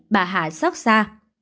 bà hạ sóc xa